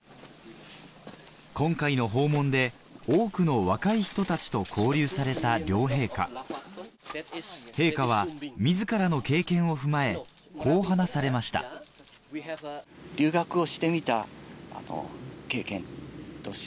今回の訪問で多くの若い人たちと交流された両陛下陛下は自らの経験を踏まえこう話されましたやはりこの。